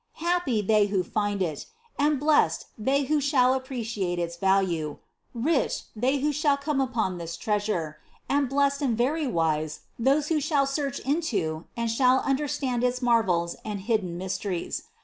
Happy they who find it, and blessed they who shall appreciate its value, rich they who shall come upon this treasure, and blessed and very wise those who sh^ll search into and shall understand its marvels and hidden mysteries.